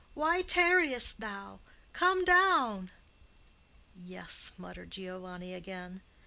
Why tarriest thou? Come down!" "Yes," muttered Giovanni again.